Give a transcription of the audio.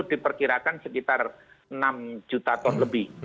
saya kira kira sekitar enam juta ton lebih